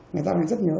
người ta đang rất nhớ